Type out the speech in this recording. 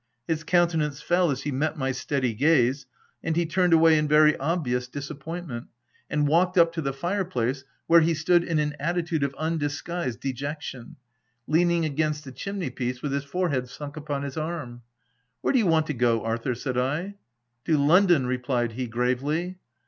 His countenance fell as he met my steady gaze, and he turned away in very ob vious disappointment, and walked up to the OF WILDFELL HALL. 95 fire place, where he stood in an attitude of un disguised dejection, leaning against the chim ney piece with his forehead sunk upon his arm. " Where do you want to go, Arthur V* said I. " To London," replied he, gravely.